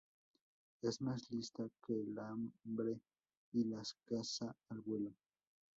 Es más lista que el hambre y las caza al vuelo